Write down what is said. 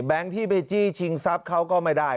ที่ไปจี้ชิงทรัพย์เขาก็ไม่ได้